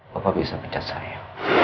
bapak bisa pencet saya